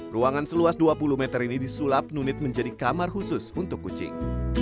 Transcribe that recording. ruangan seluas dua puluh meter ini disulap nunit menjadi kamar khusus untuk kucing